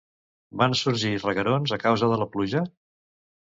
Van sorgir reguerons a causa de la pluja?